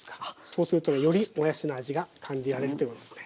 そうするとよりもやしの味が感じられるということですね。